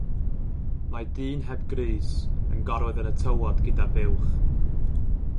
Mae dyn heb grys yn gorwedd yn y tywod gyda buwch.